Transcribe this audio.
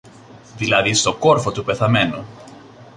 δηλαδή στον κόρφο του πεθαμένου.